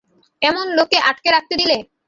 এমন লোককে আটকে রাখতে দিলে?